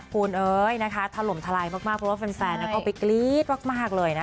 คุณเอ๋ยนะคะถล่มทลายมากเพราะว่าแฟนก็ไปกรี๊ดมากเลยนะคะ